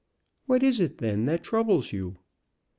"What is it, then, that troubles you?"